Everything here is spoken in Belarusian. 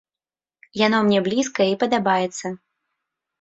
Яно мне блізкае і падабаецца.